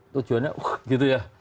tujuannya gitu ya